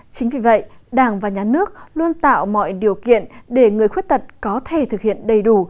chính vì vậy đảng và nhà nước luôn tạo mọi điều kiện để người khuyết tật có thể thực hiện đầy đủ